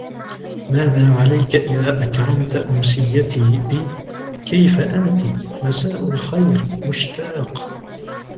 مَاذَا عَلَيكَ إذَا أكرَمْتَ أمسِيَتِي....بِـ: كَيفَ أنتِ؟ مَسَاءُ الخَيرِ، مُشتَاقُ.